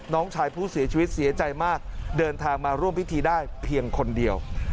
น้องชายผู้เสียชีวิตเสียใจมากเดินทางมาร่วมพิธีได้เพียงคนเดียว